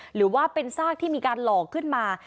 หรือว่าเป็นซากที่มีการหลอกขึ้นมา